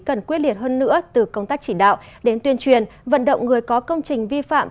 cần quyết liệt hơn nữa từ công tác chỉ đạo đến tuyên truyền vận động người có công trình vi phạm